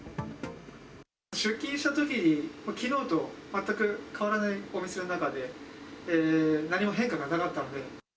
出勤したときに、きのうと全く変わらないお店の中で、何も変化がなかったんで。